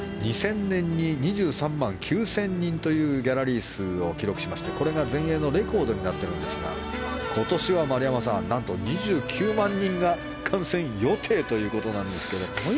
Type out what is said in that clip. ２０００年に２３万９０００人というギャラリー数を記録しましてこれが全英のレコードになっているんですが今年は丸山さん何と２９万人が観戦予定ということなんですけど。